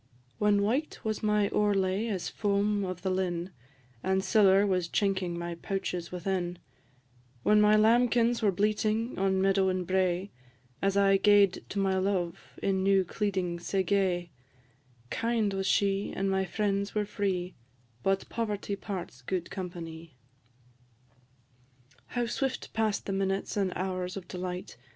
"_ When white was my owrelay as foam of the linn, And siller was chinking my pouches within; When my lambkins were bleating on meadow and brae, As I gaed to my love in new cleeding sae gay Kind was she, and my friends were free; But poverty parts gude companie. How swift pass'd the minutes and hours of delight!